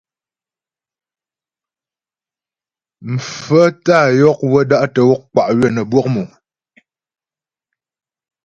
Mfaə́ tá yɔk wə́ da'tə́ wɔk kwá ywə́ nə́ bwɔk mò.